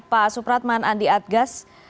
pak supratman andi adgas